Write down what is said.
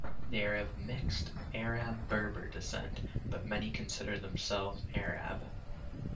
They are of mixed Arab-Berber descent, but many consider themselves Arab.